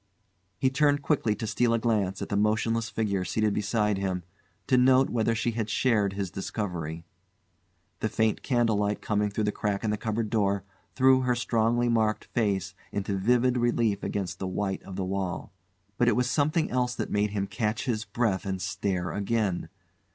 He turned quickly to steal a glance at the motionless figure seated beside him, to note whether she had shared his discovery. The faint candle light coming through the crack in the cupboard door, threw her strongly marked face into vivid relief against the white of the wall. But it was something else that made him catch his breath and stare again.